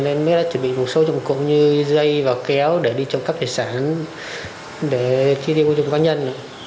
nên mới đã chuẩn bị một số trộm cộng như dây và kéo để đi trộm cắp tài sản để chi tiêu của trộm cá nhân